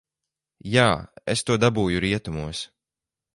Jā, es to dabūju rietumos.